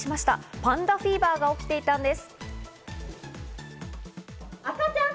パンダフィーバーが起きていたんです。